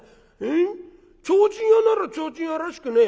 えっ提灯屋なら提灯屋らしくね